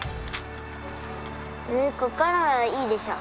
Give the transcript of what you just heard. ここからはいいでしょ